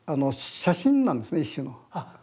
写真なんですね一種の。